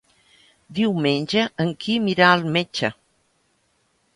Diumenge en Quim irà al metge.